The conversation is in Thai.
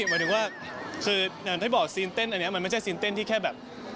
หมายถึงว่าคืออย่างที่บอกซีนเต้นอันนี้มันไม่ใช่ซีนเต้นที่แค่แบบ